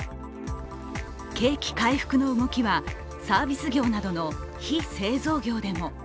景気回復の動きはサービス業などの非製造業でも。